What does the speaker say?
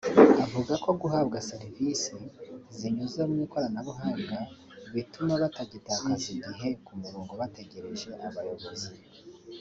avuga ko guhabwa serivisi zinyuze mu ikoranabuhanga bituma batagitakaza igihe ku mirongo bategereje abayobozi